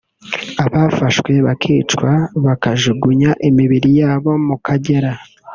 abafashwe bakicwa bakajugunya imibiri yabo mu Kagera